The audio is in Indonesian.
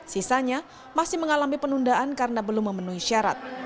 sisanya masih mengalami penundaan karena belum memenuhi syarat